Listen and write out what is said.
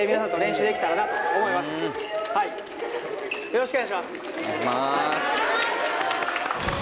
よろしくお願いします。